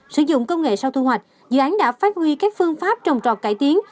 sử dụng công nghệ sau thu hoạch dự án đã phát huy các phương pháp trồng trọt cải tiến